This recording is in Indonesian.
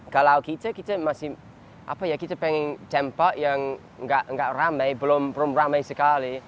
kalau kita kita masih apa ya kita pengen tempok yang nggak ramai belum ramai sekali